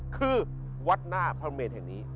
คือวัดหน้าพระเมนแห่งนี้